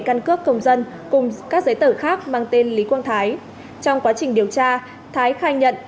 căn cước công dân cùng các giấy tờ khác mang tên lý quang thái trong quá trình điều tra thái khai nhận